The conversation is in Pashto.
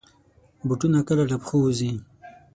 بوټونه کله له پښو وځي.